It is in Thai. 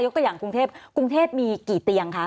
ตัวอย่างกรุงเทพกรุงเทพมีกี่เตียงคะ